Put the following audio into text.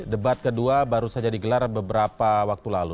debat kedua baru saja digelar beberapa waktu lalu